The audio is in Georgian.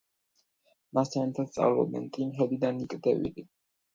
მასთან ერთად სწავლობდნენ ტიმ ჰედი და ნიკ დე ვილი.